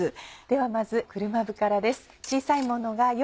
ではまず車麩からです。